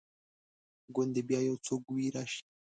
ګوندي بیا یو څوک وي راشي